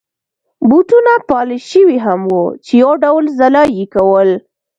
بوټونه پالش شوي هم وو چې یو ډول ځلا يې کول.